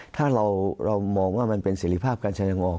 ถ้าเรามองว่ามันเป็นเสร็จภาพการแสดงออก